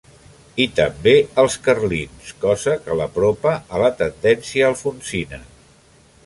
I també als carlins, cosa que l'apropa a la tendència alfonsina.